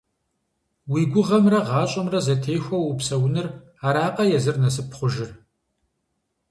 Уи гугъэмрэ гъащӏэмрэ зэтехуэу упсэуныр аракъэ езыр насып хъужыр?!